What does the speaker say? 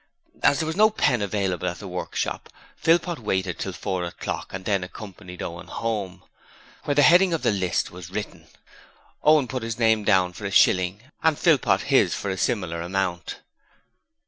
As there was no pen available at the workshop, Philpot waited till four o'clock and then accompanied Owen home, where the heading of the list was written. Owen put his name down for a shilling and Philpot his for a similar amount.